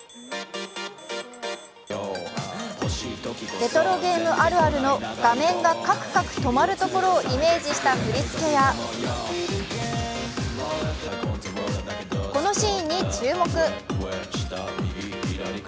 レトロゲームあるあるの画面がカクカク止まるところをイメージした振り付けや、このシーンに注目。